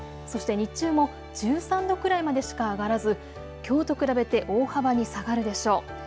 そして日中も１３度くらいまでしか上がらずきょうと比べて大幅に下がるでしょう。